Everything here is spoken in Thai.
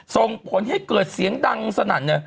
ส่งผลให้เกิดเสียงดังสนั่นเลย